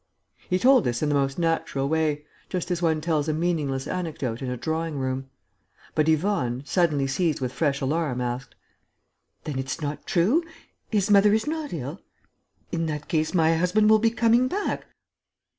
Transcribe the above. He told this in the most natural way, just as one tells a meaningless anecdote in a drawing room. But Yvonne, suddenly seized with fresh alarm, asked: "Then it's not true?... His mother is not ill?... In that case, my husband will be coming back...."